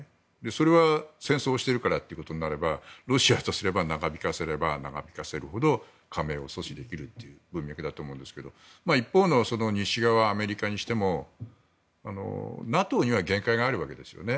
それは戦争しているからということになればロシアとすれば長引かせれば長引かせるほど加盟を阻止できるという文脈だと思うんですが一方の西側、アメリカにしてもＮＡＴＯには限界があるわけですよね。